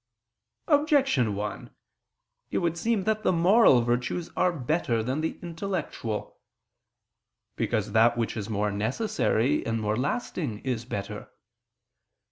Objection 1: It would seem that the moral virtues are better than the intellectual. Because that which is more necessary, and more lasting, is better.